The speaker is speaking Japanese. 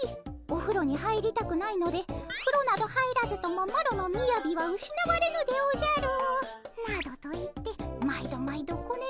おふろに入りたくないので「ふろなど入らずともマロのみやびはうしなわれぬでおじゃる」などと言って毎度毎度ごねられます。